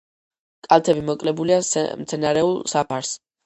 კალთები მოკლებულია მცენარეულ საფარს.